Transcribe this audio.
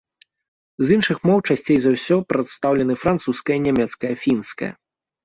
З іншых моў часцей за ўсё прадстаўлены французская, нямецкая, фінская.